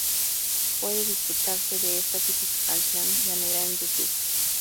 Puede disfrutarse de esta típica canción llanera en YouTube.